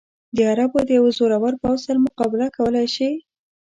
د عربو د یوه زورور پوځ سره مقابله کولای شي.